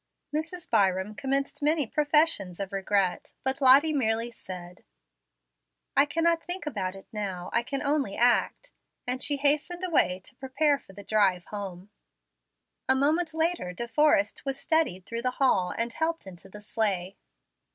Mrs. Byram commenced many professions of regret, but Lottie merely said, "I cannot think about it now. I can only act," and she hastened away to prepare for the drive home. A moment later De Forrest was steadied through the hall and helped into the sleigh.